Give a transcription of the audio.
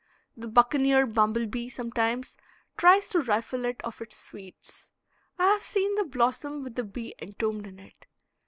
The buccaneer bumble bee sometimes tries to rifle it of its sweets. I have seen the blossom with the bee entombed in it.